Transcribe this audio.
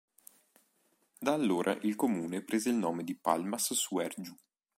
Da allora il Comune prese il nome di Palmas Suergiu.